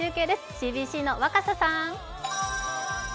ＣＢＣの若狭さん。